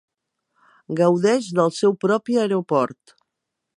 Gaudeix del seu propi aeroport.